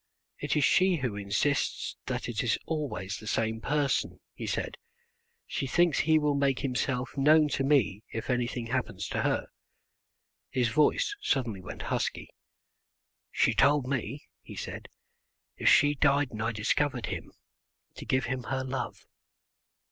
"It is she who insists that it is always the same person," he said. "She thinks he will make himself known to me if anything happens to her." His voice suddenly went husky. "She told me," he said, "if she died and I discovered him, to give him her love."